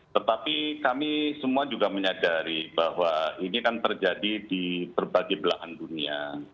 tetapi kami semua juga menyadari bahwa ini kan terjadi di berbagai belahan dunia